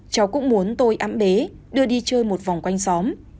cháu cũng muốn tôi ấm bé đưa đi chơi một vòng quanh xóm